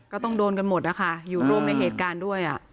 ก็ต้องโดนกันหมดนะคะอยู่ร่วมในเหตุการณ์ด้วย